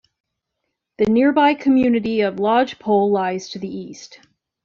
The nearby community of Lodge Pole lies to the east.